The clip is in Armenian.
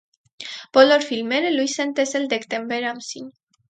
Բոլոր ֆիլմերը լույս են տեսել դեկտեմբեր ամսին։